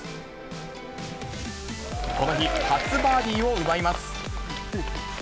この日、初バーディーを奪います。